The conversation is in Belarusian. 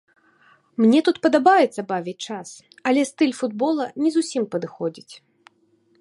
Мне тут падабаецца бавіць час, але стыль футбола не зусім падыходзіць.